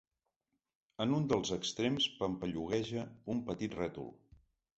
En un dels extrems pampallugueja un petit rètol.